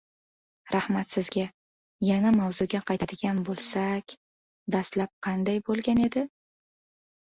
Rahmat sizga. Yana mavzuga qaytadigan boʻlsak, dastlab qanday boʻlgan edi?